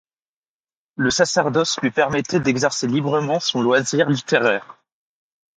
Le sacerdoce lui permettait d'exercer librement son loisir littéraire.